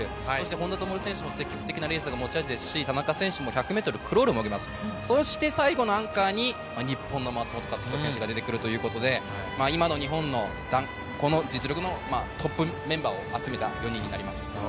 本多灯選手も積極的なレースが持ち味ですし、そして最後にアンカーの松元克央選手が出てくるということで今の日本の実力のトップメンバーを集めた４人になります。